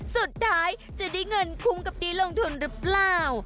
สุดท้ายจะได้เงินคุ้มกับดีลงทุนหรือเปล่า